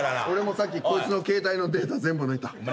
俺もさっきこいつの携帯のデータ全部抜いた。